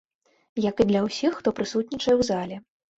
Як і для ўсіх, хто прысутнічае ў зале.